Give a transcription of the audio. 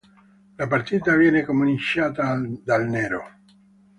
La partita viene cominciata dal Nero.